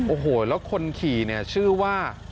โอ้โหแล้วคนขี่เนี่ยชื่อว่า